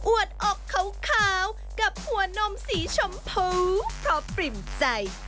วดอกขาวกับหัวนมสีชมพูเพราะปริ่มใจ